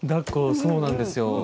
そうなんです。